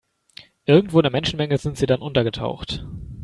Irgendwo in der Menschenmenge sind sie dann untergetaucht.